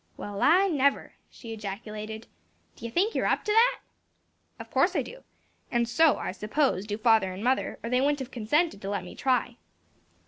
"Well, I never!" she ejaculated, "do ye think you're up to that?" "Of course I do; and so, I suppose, do father and mother; or they wouldn't have consented to let me try."